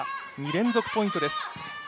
２連続ポイントです。